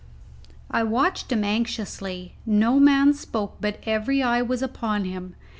I watched him anxiously. No man spoke, but every eye was upon him.